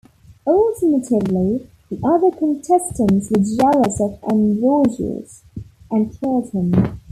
Alternatively, the other contestants were jealous of Androgeus and killed him.